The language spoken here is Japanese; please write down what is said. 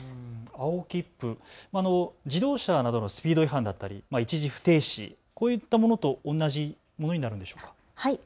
青切符って自動車などのスピード違反だったり、一時不停止、こういったものと同じものになるんでしょうか。